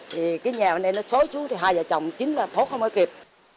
tối xuống thì hai vợ chồng chính là thốt không có kịp